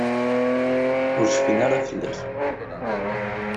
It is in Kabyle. Ur cfin ara fell-ak.